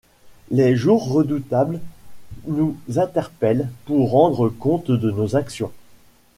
Les jours redoutables nous interpellent pour rendre compte de nos actions.